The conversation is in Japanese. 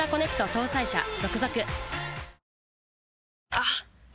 あっ！